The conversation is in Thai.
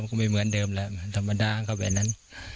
ก็ไม่เหมือนเดิมแหละธรรมดาก็แบบนั้น